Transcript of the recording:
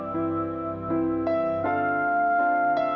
ma aku mau pergi